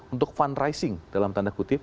untuk fundraising dalam tanda kutip